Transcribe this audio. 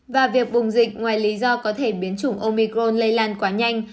và việc bùng dịch ngoài lý do có thể biến chủng omicron lây lan quá nhanh